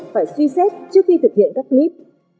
phải suy xét trước khi thực hiện các clip